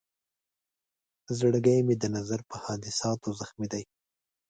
زړګی مې د نظر په حادثاتو زخمي دی.